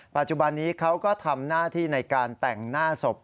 ปัจจุบันนี้เขาก็ทำหน้าที่ในการแต่งหน้าศพ